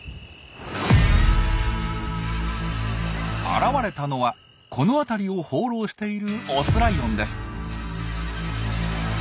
現れたのはこの辺りを放浪しているオスライオンです。